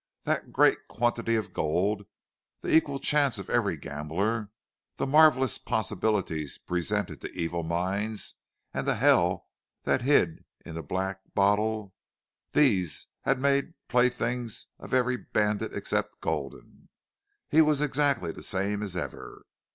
That great quantity of gold, the equal chance of every gambler, the marvelous possibilities presented to evil minds, and the hell that hid in that black bottle these had made playthings of every bandit except Gulden. He was exactly the same as ever.